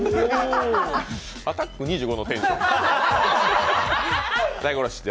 「アタック２５」のテンション。